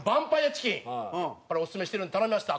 ・チキンオススメしてるので頼みました。